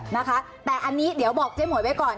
นะคะแต่อันนี้เดี๋ยวบอกเจ๊หมวยไว้ก่อน